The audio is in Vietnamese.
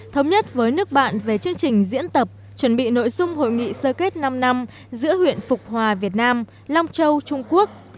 thống nhất với nước bạn về chương trình diễn tập chuẩn bị nội dung hội nghị sơ kết năm năm giữa huyện phục hòa việt nam long châu trung quốc